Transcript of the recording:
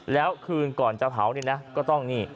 แล้วคืนก่อนจะเผาเนี่ยนะก็ต้องนี่